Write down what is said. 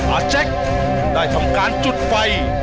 อาแจ็คได้ทำการจุดไฟ